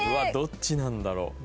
どっちなんだろ。